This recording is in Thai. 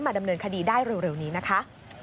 ดำเนินคดีได้เร็วนี้นะคะ